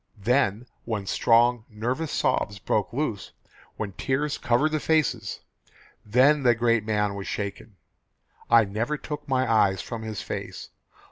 Then when strong, nervous sobs broke loose, when tears covered the faces, then the great man was shaken. I never took my eyes from his face.